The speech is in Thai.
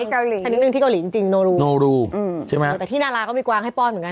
เกาหลีชนิดหนึ่งที่เกาหลีจริงจริงโนรูโนรูอืมใช่ไหมแต่ที่นาราก็มีกวางให้ป้อนเหมือนกัน